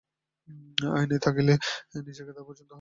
আয়নায় তাকিয়ে নিজেকে তার পছন্দই হলো।